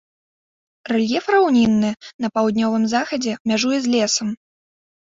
Рэльеф раўнінны, на паўднёвым захадзе мяжуе з лесам.